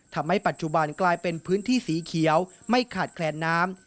ทำให้ปัจจุบันกลายเป็นพื้นที่สีเขียวไม่ขาดแคลนน้ำ